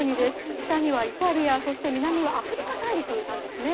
北にはイタリア、そして南はアフリカ大陸なんですね。